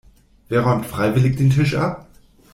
Wer räumt freiwillig den Tisch ab.